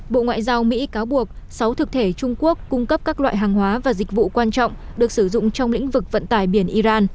bộ ngoại giao mỹ cáo buộc sáu thực thể trung quốc cung cấp các loại hàng hóa và dịch vụ quan trọng được sử dụng trong lĩnh vực vận tải biển iran